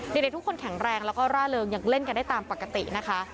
เด็กทุกคนแข็งแรงแล้วก็ร่าเริงยังเล่นกันได้ตามปกตินะคะ